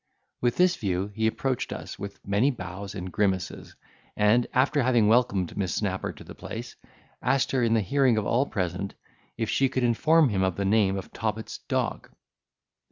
With this view he approached us, with many bows and grimaces, and, after having welcomed Miss Snapper to the place, asked her in the hearing of all present, if she could inform him of the name of Tobit's dog.